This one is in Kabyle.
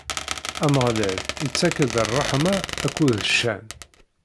Ameɣlal ittak-d ṛṛeḥma akked ccan.